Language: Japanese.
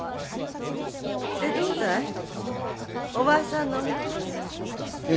でどうだいお前さんの見立ては。